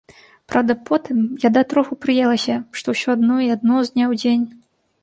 Праўда, потым яда троху прыелася, што ўсё адно і адно з дня ў дзень.